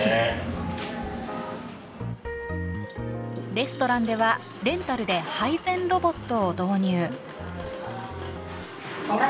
レストランではレンタルで配膳ロボットを導入。